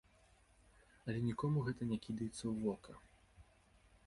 Але нікому гэта не кідаецца ў вока.